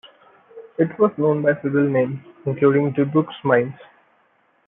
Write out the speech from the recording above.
It was known by several names, including DuBuque's Mines.